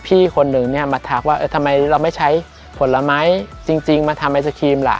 พี่คนหนึ่งเนี่ยมาทักว่าทำไมเราไม่ใช้ผลไม้จริงมาทำไอศครีมล่ะ